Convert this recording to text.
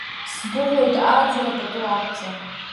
Сбыҳәоит ааӡара пату ақәҵа.